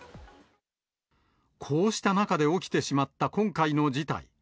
こうした中で起きてしまった今回の事態。